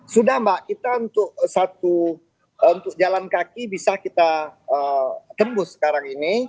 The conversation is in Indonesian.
sudah mbak kita untuk satu untuk jalan kaki bisa kita tembus sekarang ini